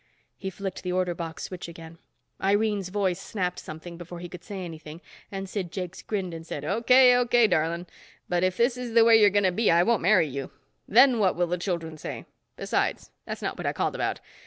He flicked the order box switch again. Irene's voice snapped something before he could say anything and Sid Jakes grinned and said, "O.K., O.K., darling, but if this is the way you're going to be I won't marry you. Then what will the children say? Besides, that's not what I called about.